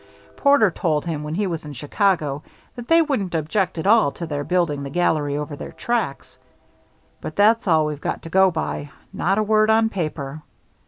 & S. C. Porter told him, when he was in Chicago, that they wouldn't object at all to our building the gallery over their tracks. But that's all we've got to go by. Not a word on paper.